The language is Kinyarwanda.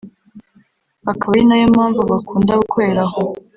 akaba ari na yo mpamvu bakunda gukorera aho